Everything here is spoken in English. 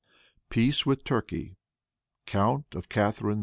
Peace with Turkey. Court of Catharine II.